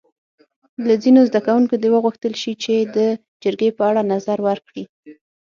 له ځینو زده کوونکو دې وغوښتل شي چې د جرګې په اړه نظر ورکړي.